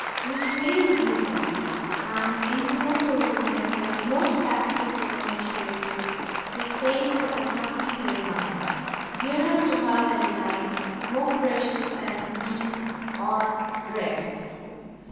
which way is he gone?" and implored the woman by the most pathetic remonstrances, to save her unhappy Delvile, dearer to her than life, more precious than peace or rest!